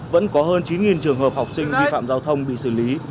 vẫn có hơn chín trường hợp học sinh vi phạm giao thông bị xử lý